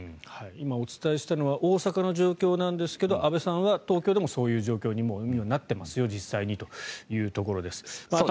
今お伝えしたのは大阪の状況なんですが安倍さんは東京でもそういう状況にもうなってますよ、実際にというところです。